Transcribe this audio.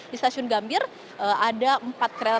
di stasiun gambir ada empat kereta